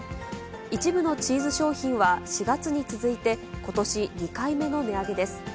一部のチーズ商品は４月に続いて、ことし２回目の値上げです。